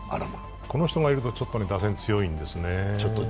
この人がいるとちょっと打線強いんですね。